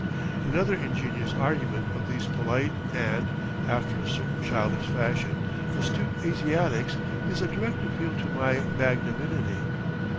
Another ingenious argument of these polite and, after a certain childish fashion, astute Asiatics, is a direct appeal to my magnaminity.